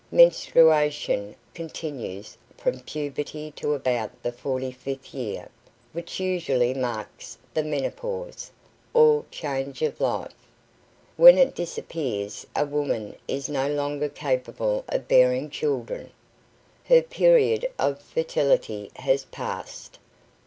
Menstruation continues from puberty to about the forty fifth year, which usually marks the menopause, or "change of life." When it disappears a woman is no longer capable of bearing children. Her period of fertility has passed.